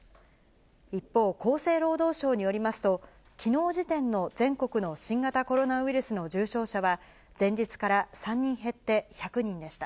一方、厚生労働省によりますと、きのう時点の全国の新型コロナウイルスの重症者は、前日から３人減って１００人でした。